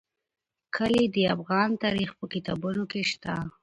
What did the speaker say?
کلي د افغان تاریخ په کتابونو کې شته.